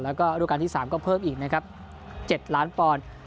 แล้วก็รูปการณ์ที่๓ก็เพิ่มอีกนะครับ๗ล้านปอนด์